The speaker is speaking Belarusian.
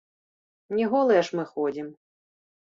Не голыя ж мы ходзім.